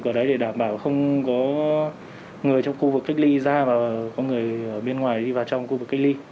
có người trong khu vực kinh ly ra và có người ở bên ngoài đi vào trong khu vực kinh ly